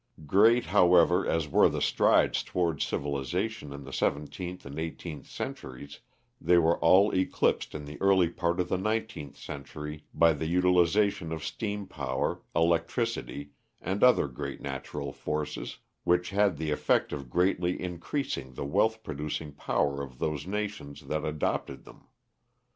Great, however, as were the strides towards civilisation in the seventeenth and eighteenth centuries, they were all eclipsed in the early part of the nineteenth century by the utilisation of steam power, electricity, and other great natural forces, which had the effect of greatly increasing the wealth producing power of those nations that adopted them.